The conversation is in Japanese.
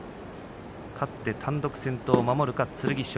勝って単独先頭を守るか、剣翔。